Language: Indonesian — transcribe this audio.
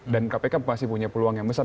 dan kpk masih punya peluang yang besar